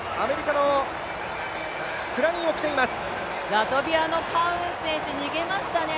ラトビアのカウン選手、逃げましたね。